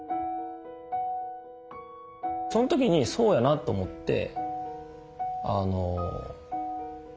そん時にそうやなと思って。